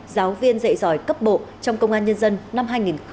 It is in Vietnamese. giáo viên dạy giỏi cấp bộ trong công an nhân dân năm hai nghìn hai mươi